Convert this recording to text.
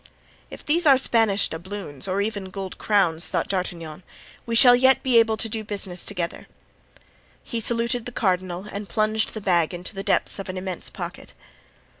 "If these are Spanish doubloons, or even gold crowns," thought D'Artagnan, "we shall yet be able to do business together." He saluted the cardinal and plunged the bag into the depths of an immense pocket.